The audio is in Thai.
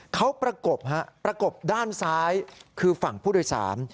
เขาประกบฮะประกบด้านซ้ายคือฝั่งผู้โดยสาร